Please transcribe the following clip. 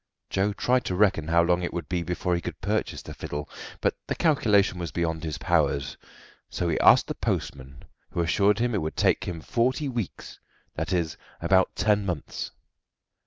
Joe tried to reckon how long it would be before he could purchase the fiddle, but the calculation was beyond his powers; so he asked the postman, who assured him it would take him forty weeks that is, about ten months.